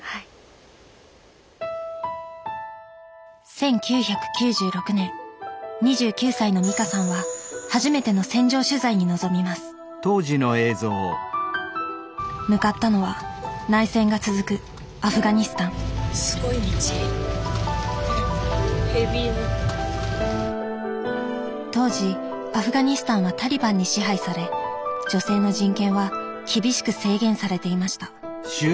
１９９６年２９歳の美香さんは初めての戦場取材に臨みます向かったのは内戦が続くアフガニスタン当時アフガニスタンはタリバンに支配され女性の人権は厳しく制限されていました